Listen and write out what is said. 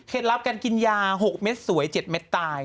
ลับการกินยา๖เม็ดสวย๗เม็ดตาย